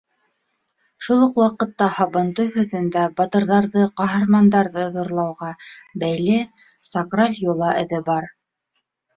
Шул уҡ ваҡытта һабантуй һүҙендә батырҙарҙы, ҡаһармандарҙы ҙурлауға бәйле сакраль йола эҙе бар.